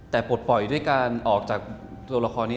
แต่ปลดปล่อยด้วยการออกจากตัวละครนี้